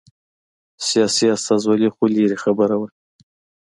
سیاسي استازولي خو لرې خبره وه